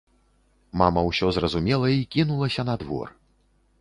Мама ўсё зразумела і кінулася на двор.